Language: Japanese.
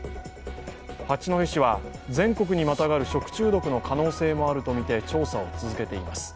八戸市は全国にまたがる食中毒の可能性もあるとみて調査を続けています。